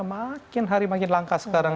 makin hari makin langka sekarang